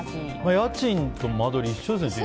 家賃と間取り、一緒ですね。